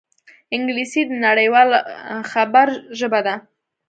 انګلیسي د نړيوال خبر ژبه ده